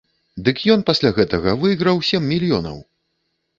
Дык ён пасля гэтага выйграў сем мільёнаў!